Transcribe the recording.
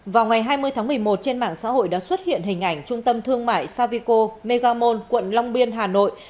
vào ngày hai mươi tháng một mươi một trên mạng xã hội đã xuất hiện hình ảnh trung tâm thương mại savico megamon quận long biên hà nội